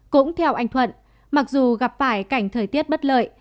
cũng theo anh thuận mặc dù gặp phải cảnh thời tiết bất lợi